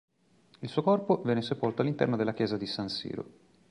Il suo corpo venne sepolto all'interno della chiesa di San Siro.